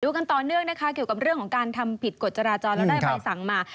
กันต่อเนื่องนะคะเกี่ยวกับเรื่องของการทำผิดกฎจราจรแล้วได้ใบสั่งมา